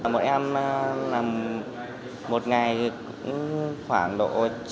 một em nằm một ngày khoảng độ